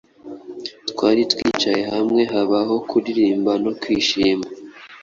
Twari twicaye hamwe Habaho kuririmba no kwishima